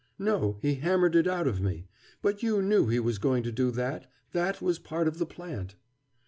"No, he hammered it out of me. But you knew he was going to do that. That was part of the plant."